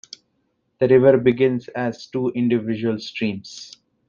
The river begins as two individual streams.